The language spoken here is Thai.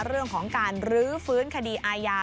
เรื่องของการรื้อฟื้นคดีอาญา